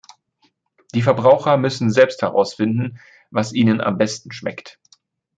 Die Verbraucher müssen selbst herausfinden, was ihnen am besten schmeckt.